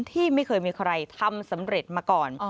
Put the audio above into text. ที่ไม่เคยมีใครทำสำเร็จมาก่อน